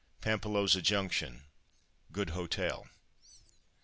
PAMPILHOSA JUNCTION (Good Hotel).